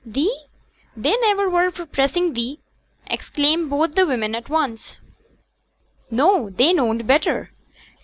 'Thee: they niver were for pressing thee!' exclaimed both the women at once. 'No! they knowed better.